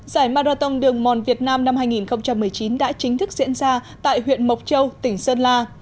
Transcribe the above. giải marathon đường mòn việt nam năm hai nghìn một mươi chín đã chính thức diễn ra tại huyện mộc châu tỉnh sơn la